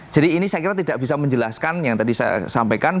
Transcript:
jadi ini saya kira tidak bisa menjelaskan yang tadi saya sampaikan